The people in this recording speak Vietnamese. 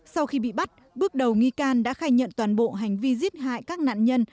sau khi bị bắt bước đầu nghi can đã khai nhận toàn bộ hành vi giết hại các nạn nhân